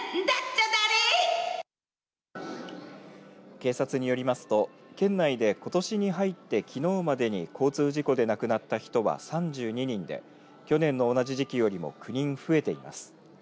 警察によりますと県内でことしに入って、きのうまでに交通事故で亡くなった人は３２人で去年の同じ時期よりも９人増えています。